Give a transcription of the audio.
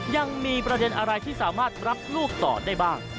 ยังมีประเด็นอะไรที่สามารถรับลูกต่อได้บ้าง